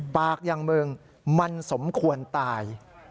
ปากอย่างมึงมันสมควรตาย